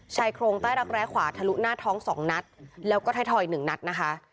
ชายโครงใต้รักแร้ขวาทะลุหน้าท้อง๒นัดแล้วก็ไทยทอย๑นัดนะคะ